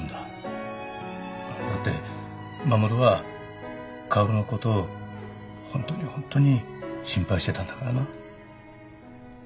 だって護は薫のことホントにホントに心配してたんだからな。